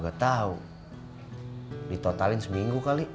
gak tahu ditotalin seminggu kali